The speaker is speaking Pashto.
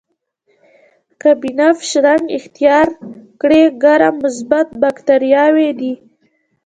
که بنفش رنګ اختیار کړي ګرام مثبت باکتریاوې دي.